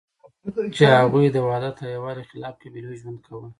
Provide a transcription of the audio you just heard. چی هغوی د وحدت او یوالی خلاف قبیلوی ژوند کاوه